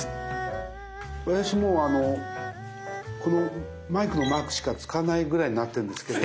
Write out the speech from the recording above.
私もうこのマイクのマークしか使わないぐらいになってんですけど。